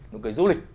nụ cười du lịch